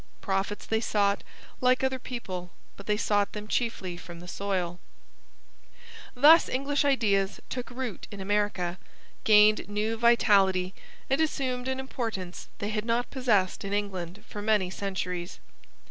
Profits they sought, like other people, but they sought them chiefly from the soil. Thus English ideas took root in America, gained new vitality, and assumed an importance they had not possessed in England for many centuries.